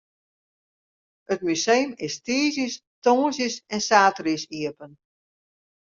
It museum is tiisdeis, tongersdeis en saterdeis iepen.